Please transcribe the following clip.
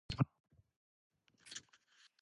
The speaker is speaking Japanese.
こんにちはさようなら